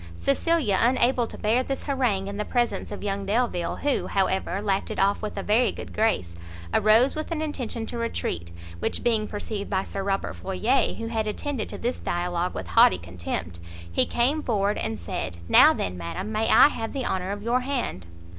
Cecilia, unable to bear this harangue in the presence of young Delvile, who, however, laughed it off with a very good grace, arose with an intention to retreat, which being perceived by Sir Robert Floyer, who had attended to this dialogue with haughty contempt, he came forward, and said, "now then, madam, may I have the honour of your hand?"